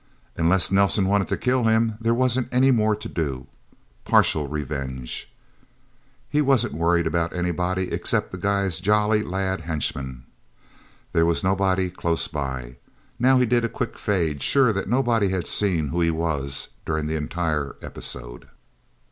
Unless Nelsen wanted to kill him, there wasn't any more to do. Partial revenge. He wasn't worried about anybody except the guy's Jolly Lad henchmen. There was nobody close by. Now he did a quick fade, sure that nobody had seen who he was, during the entire episode.